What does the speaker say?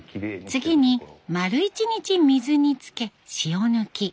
次に丸一日水につけ塩抜き。